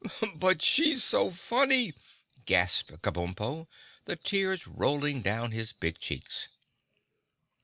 "But she's so funny!" gasped Kabumpo, the tears rolling down his big cheeks.